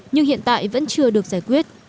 nhưng hiện tại vẫn chưa được giải quyết